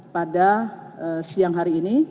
pada siang hari ini